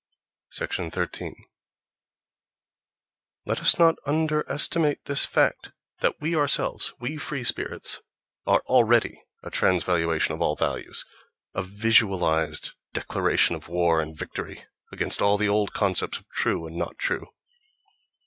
13. Let us not underestimate this fact: that we ourselves, we free spirits, are already a "transvaluation of all values," a visualized declaration of war and victory against all the old concepts of "true" and "not true."